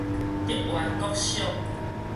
竹灣國小